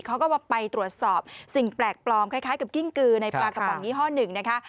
เขาก็ว่าไปตรวจสอบสิ่งแปลกปลอมคล้ายกับกิ้งกือในปลากระป๋องยี่ห้อหนึ่งนะคะ